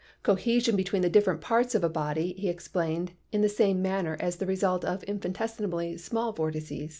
Cohesion between the different parts of a body he ex plained in the same manner as* the result of infinitesimally small vortices.